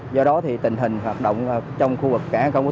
trong thời gian vừa qua thì hoạt động trong khu vực cả hàng thông quốc